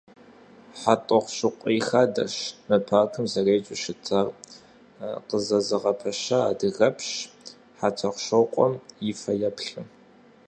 «ХьэтӀохъущыкъуей хадэщ» мы паркым зэреджэу щытар, къызэзыгъэпэща адыгэпщ ХьэтӀохъущокъуэм и фэеплъу.